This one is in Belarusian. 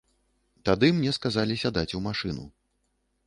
Тады мне сказалі сядаць у машыну.